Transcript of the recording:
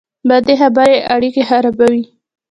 بدې خبرې اړیکې خرابوي